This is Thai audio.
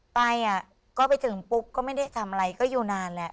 ไปอ่ะก็ไปถึงปุ๊บก็ไม่ได้ทำอะไรก็อยู่นานแหละ